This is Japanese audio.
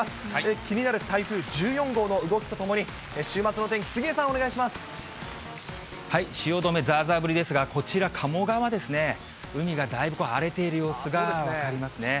気になる台風１４号の動きとともに、週末の天気、杉江さん、汐留、ざーざー降りですが、こちら、鴨川ですね、海がだいぶ荒れている様子が分かりますね。